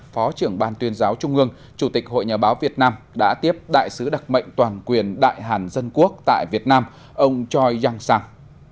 phó trưởng ban tuyên giáo trung ương chủ tịch hội nhà báo việt nam đã tiếp đại sứ đặc mệnh toàn quyền đại hàn dân quốc tại việt nam ông choi yang sang